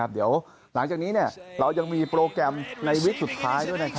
เดี๋ยวหลังจากนี้เรายังมีโปรแกรมในวิกสุดท้ายด้วย